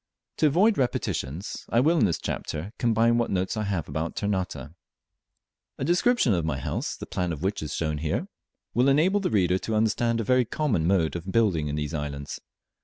To avoid repetitions, I will in this chapter combine what notes I have about Ternate. A description of my house (the plan of which is here shown) will enable the reader to understand a very common mode of building in these islands.